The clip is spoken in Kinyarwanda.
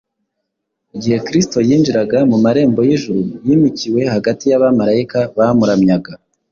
Igihe Kristo yinjiraga mu marembo y’ijuru yimikiwe hagati y’abamarayika bamuramyaga.